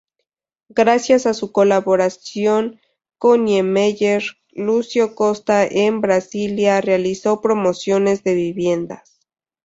Gracias a su colaboración con Niemeyer, Lucio Costa, en Brasilia, realizó promociones de viviendas.